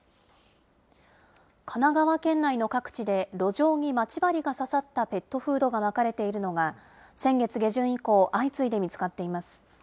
神奈川県内の各地で、路上に待ち針が刺さったペットフードがまかれているのが、先月下旬以降、相次いで見つかっています。